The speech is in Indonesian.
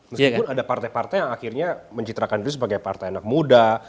meskipun ada partai partai yang akhirnya mencitrakan diri sebagai partai anak muda